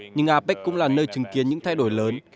nhưng apec cũng là nơi chứng kiến những thay đổi lớn